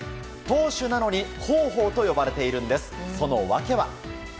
投手なのに広報と呼ばれているんです。